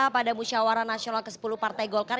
pada musyawara nasional ke sepuluh partai golkar